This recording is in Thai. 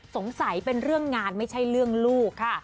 เป็นเรื่องงานไม่ใช่เรื่องลูกค่ะ